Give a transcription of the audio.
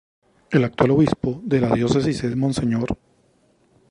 El actual obispo de la Diócesis es Mons.